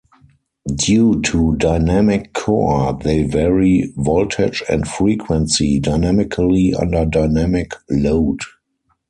Due to dynamic core they vary voltage and frequency dynamically under dynamic load.